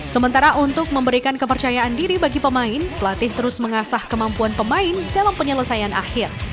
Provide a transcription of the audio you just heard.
sementara untuk memberikan kepercayaan diri bagi pemain pelatih terus mengasah kemampuan pemain dalam penyelesaian akhir